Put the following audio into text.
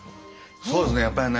そうですね。